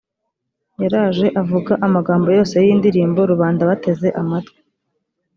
yaraje avuga amagambo yose y’iyi ndirimbo, rubanda bateze amatwi.